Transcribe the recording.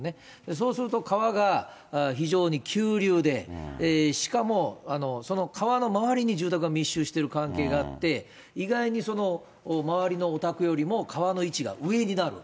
そうすると、川が非常に急流で、しかもその川の周りに住宅が密集している関係があって、意外に周りのお宅よりも川の位置が上になる。